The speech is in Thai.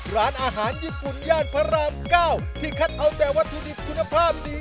ร้านอาหารญี่ปุ่นย่านพระราม๙ที่คัดเอาแต่วัตถุดิบคุณภาพดี